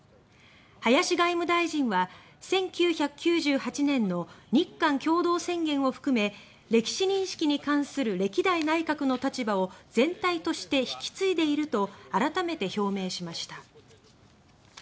林外務大臣は１９９８年の日韓共同宣言を含め歴史認識に関する歴代内閣の立場を全体として引き継いでいると改めて表明しました。